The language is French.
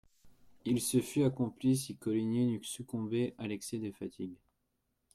Il se fût accompli, si Coligny n'eût succombé à l'excès des fatigues.